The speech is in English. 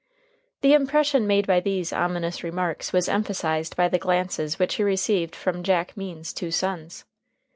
The impression made by these ominous remarks was emphasized by the glances which he received from Jack Means's two sons.